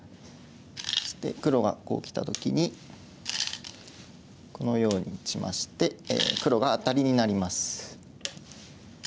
そして黒がこうきた時にこのように打ちまして黒がアタリになります。